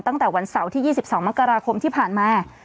ตั้งแต่วันเสาร์ที่๒๒มกราคมที่ผ่านมา